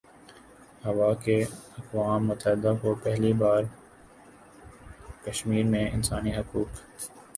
ہوا کہ اقوام متحدہ کو پہلی بار کشمیرمیں انسانی حقوق